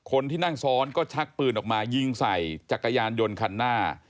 คนที่นั่งซ้อนก็ชักปืนออกมายิงใส่จักรยานยนต์คันหน้า